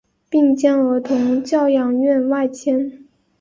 并将儿童教养院外迁。